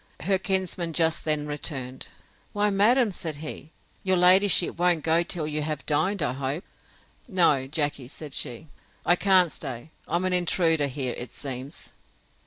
Her kinsman just then returned: Why, madam, said he, your ladyship won't go till you have dined, I hope. No, Jackey, said she, I can't stay; I'm an intruder here, it seems!